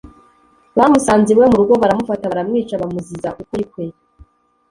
bamusanze iwe mu rugo baramufata baramwica bamuziza ukuri kwe